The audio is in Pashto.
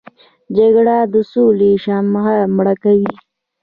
جګړه د سولې شمعه مړه کوي